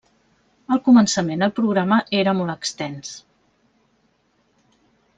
Al començament el programa era molt extens.